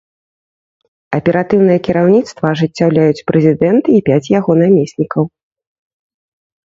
Аператыўнае кіраўніцтва ажыццяўляюць прэзідэнт і пяць яго намеснікаў.